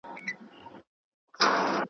له قاتله چي څوک ځان نه سي ژغورلای .